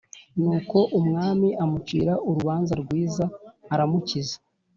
nuko umwami amucira urubanza rwiza aramukiza.